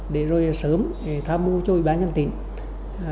để rồi sớm tham mưu cho ủy ban nhân tỉnh